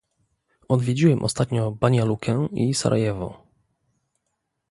Odwiedziłem ostatnio Banja Lukę i Sarajewo